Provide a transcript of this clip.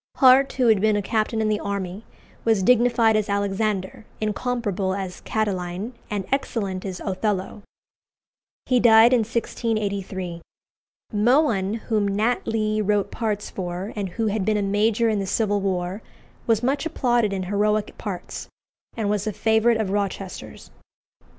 Hart, who had been a captain in the army, was dignified as Alexander, incomparable as Catiline, and excellent as Othello. He died in 1683. Mohun, whom Nat Lee wrote parts for, and who had been a major in the Civil War, was much applauded in heroic parts, and was a favourite of Rochester's.